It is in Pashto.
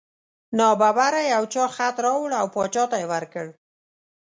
نا ببره یو چا خط راوړ او باچا ته یې ورکړ.